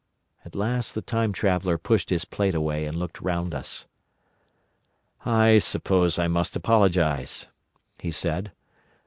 At last the Time Traveller pushed his plate away, and looked round us. "I suppose I must apologise," he said.